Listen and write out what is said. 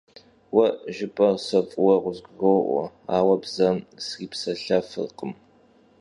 Vue jjıp'er se f'ıue khızguro'ue, aue bzem sripselhefırkhım.